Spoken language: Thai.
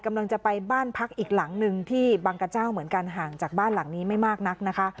กำลังจะไปบ้านพักอีกหลังหนึ่งที่บังกระเจ้าเหมือนกันห่างจากบ้านหลังนี้ไม่มากนักนะคะ